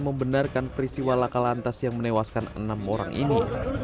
membenarkan peristiwa lakalantas yang menewaskan enam orang ini